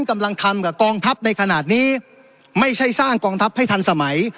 กำลังทำกับกองทัพในขณะนี้ไม่ใช่สร้างกองทัพให้ทันสมัย